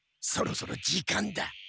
そろそろ時間だ。